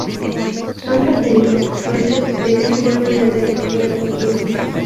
Son potentes, recios, de gran cuerpo y alta graduación.